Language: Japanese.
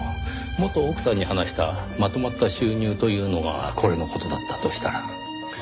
元奥さんに話したまとまった収入というのがこれの事だったとしたら。